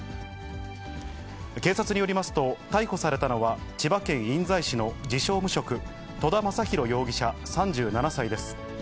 警察によりますと、逮捕されたのは、千葉県印西市の自称無職、戸田昌宏容疑者３７歳です。